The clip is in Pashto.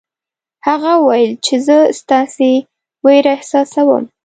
هغه وویل چې زه ستاسې وېره احساسوم.